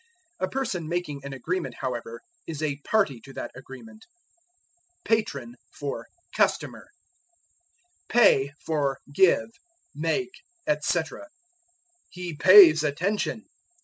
A person making an agreement, however, is a party to that agreement. Patron for Customer. Pay for Give, Make, etc. "He pays attention."